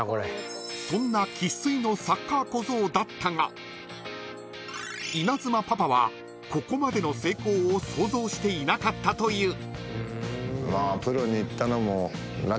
［そんな生粋のサッカー小僧だったがイナズマパパはここまでの成功を想像していなかったという］